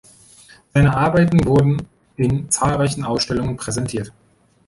Seine Arbeiten wurden in zahlreichen Ausstellungen präsentiert.